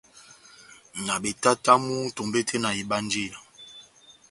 Na betatamu tombete na ebanjeya.